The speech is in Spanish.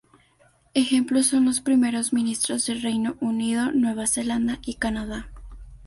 Ejemplos son los primeros ministros de Reino Unido, Nueva Zelanda y Canadá.